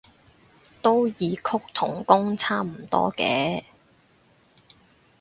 都異曲同工差唔多嘅